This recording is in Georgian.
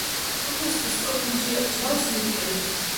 ოქროს დისკო, ბრინჯაოს ნივთები.